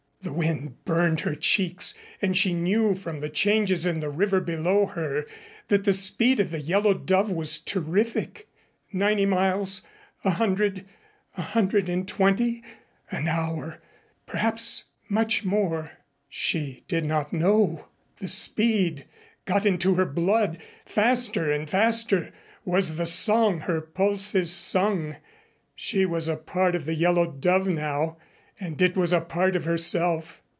The wind burned her cheeks and she knew from the changes in the river below her that the speed of the Yellow Dove was terrific ninety miles a hundred a hundred and twenty an hour perhaps much more she did not know. The speed got into her blood. Faster, faster, was the song her pulses sung. She was a part of the Yellow Dove now, and it was a part of herself.